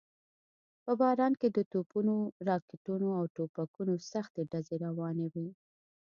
په باران کې د توپونو، راکټونو او ټوپکونو سختې ډزې روانې وې.